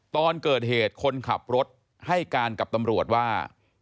ตอนเกิดเหตุคนขับรถให้การกับตำรวจว่า